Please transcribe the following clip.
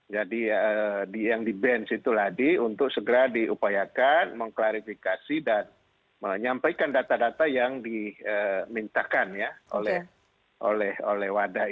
jadi yang di bench itu ladi untuk segera diupayakan mengklarifikasi dan menyampaikan data data yang dimintakan oleh wadah itu